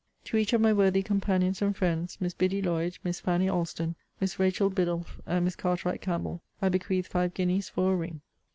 To each of my worthy companions and friends, Miss Biddy Lloyd, Miss Fanny Alston, Miss Rachel Biddulph, and Miss Cartright Campbell, I bequeath five guineas for a ring.